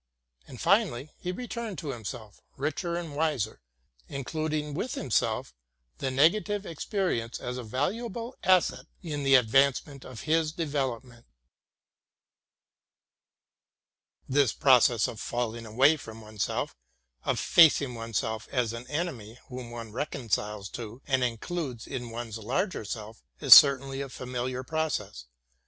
And finally, he returned to himself richer and wiser, in cluding within himself the negative experience as 'a valua ble asset in the advance of his development. This process of falling away from oneself, of facing one self as an enemy whom one reconciles to and includes in one's larger self, is certainly a familiar process.